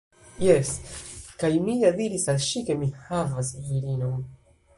Jes! Kaj mi ja diris al ŝi ke mi havas virinon